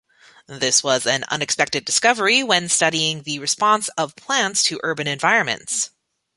This was an unexpected discovery when studying the response of plants to urban environments.